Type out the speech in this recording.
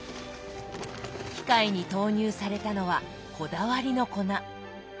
機械に投入されたのはこだわりの粉。